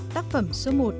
tác phẩm số một